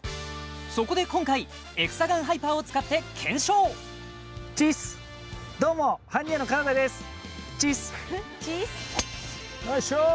そこで今回エクサガンハイパーを使って検証ナイスショット！